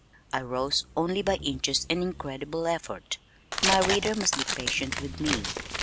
I rose only by inches and incredible effort. My reader must be patient with me.